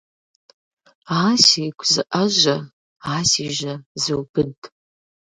А сигу зыIэжьэ, а си жьэ зубыд.